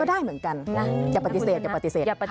ก็ได้เหมือนกันอย่าปฏิเสธ